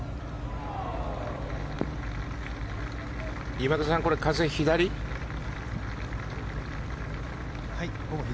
今田さん、風左？